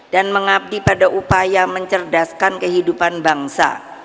dan mengabdi pada upaya mencerdaskan kehidupan bangsa